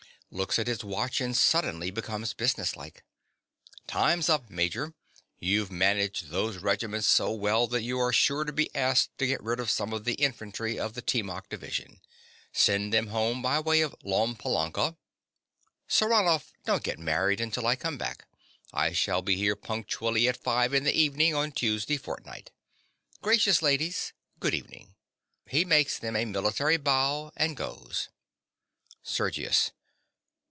(Looks at his watch and suddenly becomes businesslike.) Time's up, Major. You've managed those regiments so well that you are sure to be asked to get rid of some of the Infantry of the Teemok division. Send them home by way of Lom Palanka. Saranoff: don't get married until I come back: I shall be here punctually at five in the evening on Tuesday fortnight. Gracious ladies—good evening. (He makes them a military bow, and goes.) SERGIUS.